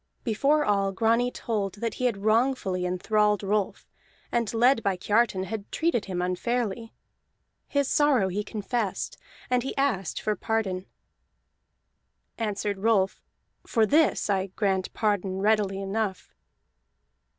Before all, Grani told that he had wrongfully enthralled Rolf, and led by Kiartan had treated him unfairly. His sorrow he confessed, and he asked for pardon. Answered Rolf: "For this I grant pardon readily enough."